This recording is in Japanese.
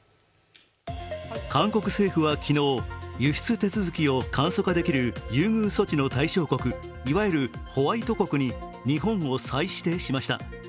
韓国政府は昨日、輸出手続きを簡素化できる優遇措置の対象国いわゆるホワイト国に日本を再指定しました。